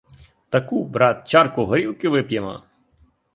Таку, брат, чарку горілки вип'ємо!